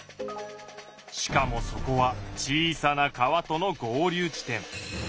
しかもそこは小さな川との合流地点。